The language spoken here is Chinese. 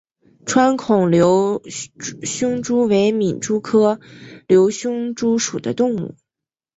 穿孔瘤胸蛛为皿蛛科瘤胸蛛属的动物。